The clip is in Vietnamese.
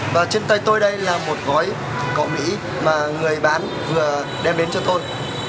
và trên tay tôi đây là một gói cọ mỹ mà người bán vừa đem đến cho tôi